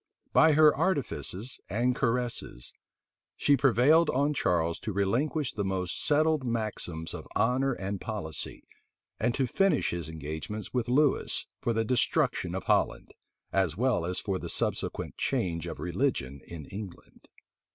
By her artifices and caresses, she prevailed on Charles to relinquish the most settled maxims of honor and policy, and to finish his engagements with Lewis for the destruction of Holland, as well as for the subsequent change of religion in England.